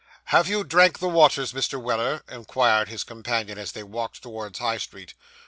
'Have you drank the waters, Mr. Weller?' inquired his companion, as they walked towards High Street.